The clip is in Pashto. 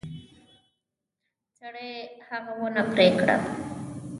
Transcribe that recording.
سړي هغه ونه پرې کړه.